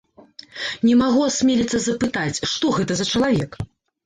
Не магу асмеліцца запытаць, што гэта за чалавек?